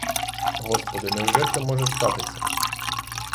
Господи, невже це може статися?!